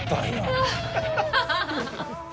「アハハハ！」